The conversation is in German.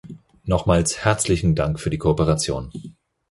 Nochmals herzlichen Dank für die Kooperation!